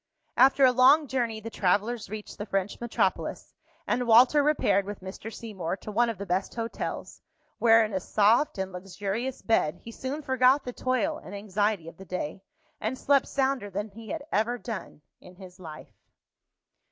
After a long journey, the travellers reached the French metropolis; and Walter repaired with Mr. Seymour to one of the best hotels, where, in a soft and luxurious bed, he soon forgot the toil and anxiety of the day, and slept sounder than he had ever done in his life.